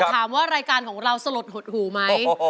ถามว่ารายการของเราสลดหดหูไหม